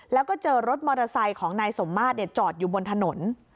แล้วก็เจอรถมอเตอร์ไซค์ของนายสมมาตรจอดอยู่บนถนน